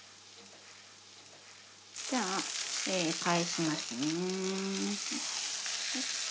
じゃあ返しますね。